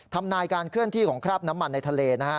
ทำนายการเคลื่อนที่ของคราบน้ำมันในทะเลนะฮะ